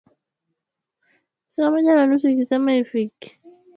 kiongozi wa serikali ya tibet dalai lama